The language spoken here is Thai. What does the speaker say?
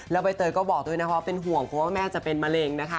ใบเตยก็บอกด้วยนะคะว่าเป็นห่วงเพราะว่าแม่จะเป็นมะเร็งนะคะ